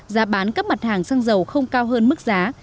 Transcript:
giá bán các mặt hàng xăng dầu không cao hơn mức giá